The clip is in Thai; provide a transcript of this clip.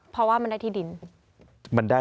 เพราะว่ามันได้ที่ดิน